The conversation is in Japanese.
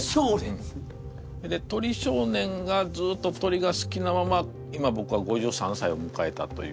で鳥少年がずっと鳥が好きなまま今ぼくは５３歳をむかえたという。